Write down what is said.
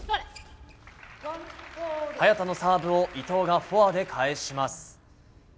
早田のサーブを伊藤がフォアで返します。